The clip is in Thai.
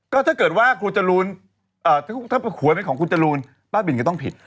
ก็ถ้าเกิดว่าครูจรูนถ้าหวยเป็นของคุณจรูนบ้าบินก็ต้องผิด